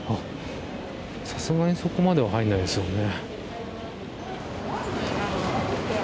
さすがにそこまでは入らないですよね。